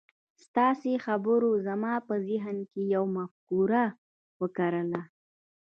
ستاسې خبرو زما په ذهن کې يوه مفکوره وکرله.